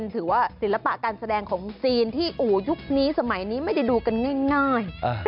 ถือว่าศิลปะการแสดงของจีนที่อู่ยุคนี้สมัยนี้ไม่ได้ดูกันง่าย